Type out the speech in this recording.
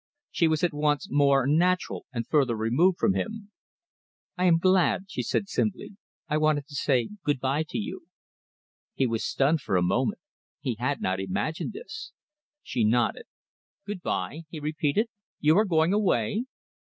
She was at once more natural and further removed from him. "I am glad," she said simply. "I wanted to say good bye to you." He was stunned for a moment. He had not imagined this. She nodded. "Good bye!" he repeated. "You are going away?"